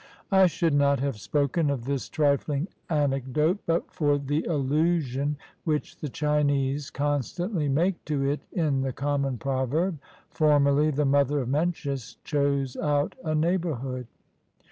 I should not have spoken of this trifling anecdote but for the allusion which the Chinese constantly make to it in the common proverb, ' Formerly the mother of Mencius chose out a neighborhood.'"